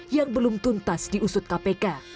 yang belum tuntas di usut kpk